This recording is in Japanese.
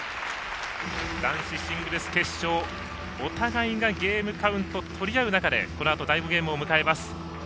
男子シングルス決勝お互いがゲームカウント取り合う中でこのあと第５ゲームを迎えます。